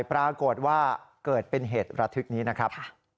ปรากฏว่าเกิดเป็นเหตุระทึกนี้นะครับ